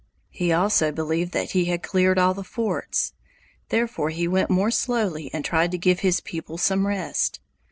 He also believed that he had cleared all the forts. Therefore he went more slowly and tried to give his people some rest.